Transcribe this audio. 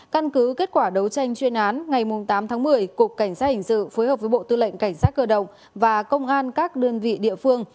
căn cứ kết quả đấu tranh chuyên án ngày tám tháng một mươi cục cảnh sát hình sự phối hợp với bộ tư lệnh cảnh sát cơ động và công an các đơn vị địa phương